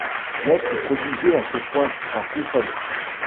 L’être est prodigieux à ce point, j’en frissonne